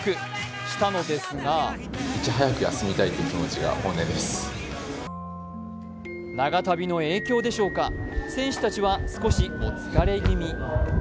したのですが長旅の影響でしょうか、選手たちは少しお疲れ気味。